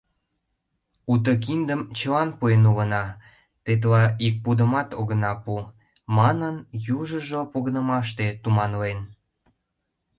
— Уто киндым чыла пуэн улына, тетла ик пудымат огына пу, — манын, южыжо погынымаште туманлен.